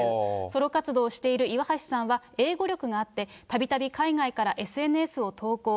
ソロ活動をしている岩橋さんは英語力があって、たびたび海外からＳＮＳを投稿。